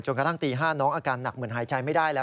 กระทั่งตี๕น้องอาการหนักเหมือนหายใจไม่ได้แล้ว